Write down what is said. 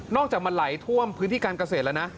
อกจากมันไหลท่วมพื้นที่การเกษตรแล้วนะ